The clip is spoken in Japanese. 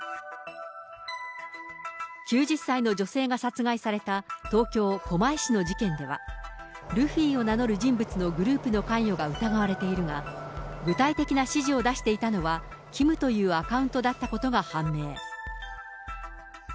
９０歳の女性が殺害された東京・狛江市の事件では、ルフィを名乗る人物のグループの関与が疑われているが、具体的な指示を出していたのは、ＫＩＭというアカウントだったことが判明。